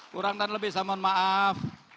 kurang dan lebih saya mohon maaf